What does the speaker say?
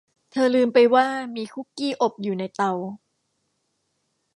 เธอลืมไปว่ามีคุกกี้อบอยู่ในเตา